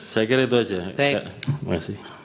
saya kira itu saja baik